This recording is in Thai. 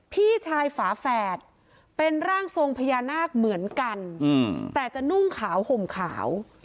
พี่ชายฝาแฝดเป็นร่างทรงพญานาคเหมือนกันแต่จะนุ่งขาวห่มขาว